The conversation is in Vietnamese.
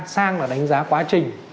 sang là đánh giá quá trình